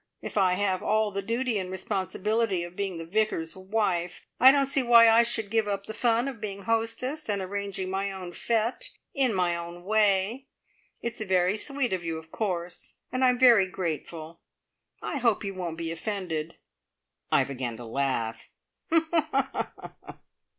If I have all the duty and responsibility of being the Vicar's wife, I don't see why I should give up the fun of being hostess and arranging my own fete in my own way. It's very sweet of you, of course, and I'm very grateful. I hope you won't be offended." I began to laugh.